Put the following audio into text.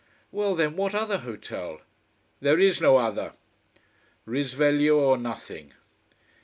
"Well then, what other hotel?" "There is no other." Risveglio or nothing.